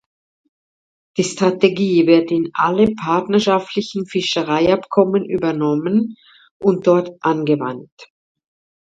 Diese Strategie wird in alle partnerschaftlichen Fischereiabkommen übernommen und dort angewandt.